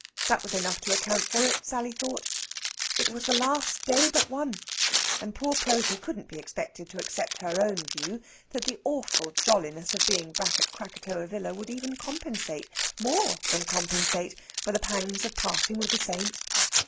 That was enough to account for it, Sally thought. It was the last day but one, and poor Prosy couldn't be expected to accept her own view that the awful jolliness of being back at Krakatoa Villa would even compensate more than compensate for the pangs of parting with the Saint.